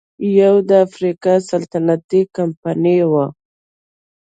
یوه د افریقا سلطنتي کمپنۍ وه.